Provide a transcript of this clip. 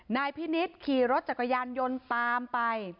นายพินิษฐ์ขี่รถจักรยานยนต์ตามไป